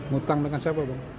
hutang dengan siapa bang